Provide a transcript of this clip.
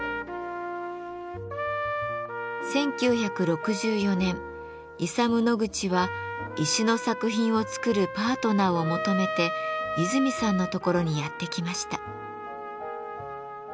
１９６４年イサム・ノグチは石の作品を作るパートナーを求めて和泉さんのところにやって来ました。